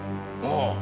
ああ。